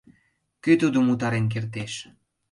Кӧ тудым утарен кертеш?